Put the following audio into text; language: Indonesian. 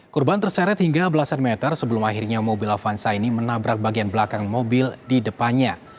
korban terseret hingga belasan meter sebelum akhirnya mobil avanza ini menabrak bagian belakang mobil di depannya